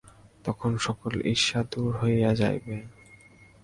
তখন সকল ঈর্ষা দূর হইয়া যাইবে।